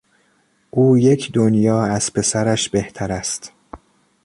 او یک دنیا از پسرش بهتر است.